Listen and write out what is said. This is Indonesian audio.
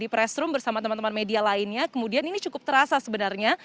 di pressroom bersama teman teman media lainnya kemudian ini cukup terasa sebenarnya